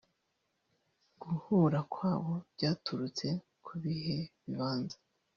Guhura kwabo byaturutse ku bihe bibanza